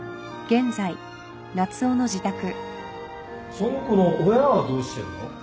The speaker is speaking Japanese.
その子の親はどうしてるの？